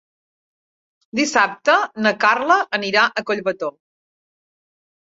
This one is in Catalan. Dissabte na Carla anirà a Collbató.